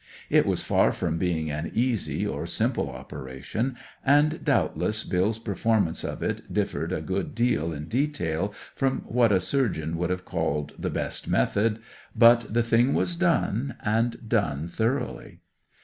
It was far from being an easy or simple operation, and doubtless Bill's performance of it differed a good deal in detail from what a surgeon would have called the best method; but the thing was done, and done thoroughly.